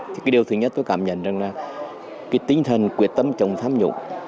thì cái điều thứ nhất tôi cảm nhận rằng là cái tinh thần quyết tâm chống tham nhũng